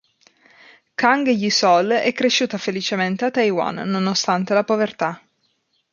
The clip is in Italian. Kang Yi-sol è cresciuta felicemente a Taiwan nonostante la povertà.